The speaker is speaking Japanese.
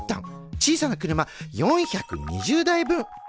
小さな車４２０台分。